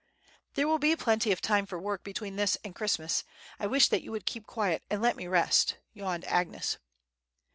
"There will be plenty of time for work between this and Christmas; I wish that you would keep quiet and let me rest," yawned Agnes.